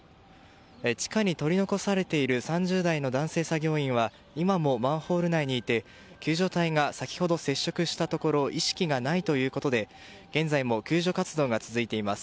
地下に取り残されている３０代の男性作業員は今もマンホール内にいて救助隊が先ほど接触したところ意識がないということで現在も救助活動が続いています。